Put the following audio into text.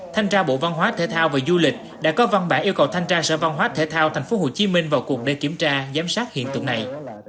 thanh tra bộ văn hóa thể thao và du lịch đã có văn bản yêu cầu thanh tra sở văn hóa thể thao tp hcm vào cuộc đời kiểm tra giám sát hiện tượng này